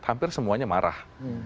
hampir semuanya marah